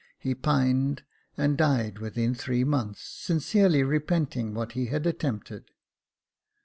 He pined and died within three months, sincerely repenting what he had attempted."